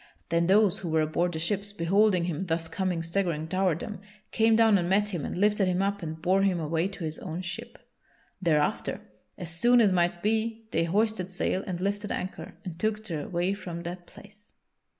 Then those who were aboard the ships, beholding him thus coming staggering toward them, came down and met him and lifted him up and bore him away to his own ship. Thereafter, as soon as might be they hoisted sail and lifted anchor and took their way from that place.